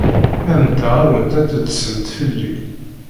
Ɛemmdeɣ-awent ad teḍsemt fell-i.